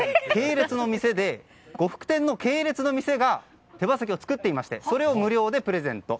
呉服店の系列の店が手羽先を作っていましてそれを無料でプレゼント。